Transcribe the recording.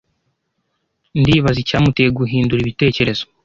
Ndibaza icyamuteye guhindura ibitekerezo.